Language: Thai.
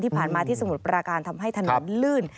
ที่ผ่านมาที่สมุทรปราการทำให้ถนนลื่น